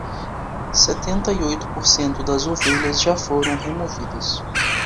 Setenta e oito por cento das ovelhas já foram removidas